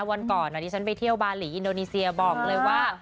วันก่อนที่ฉันไปเที่ยวบาหลีอินโดนีเซียบอกเลยว่า